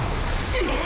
えっ。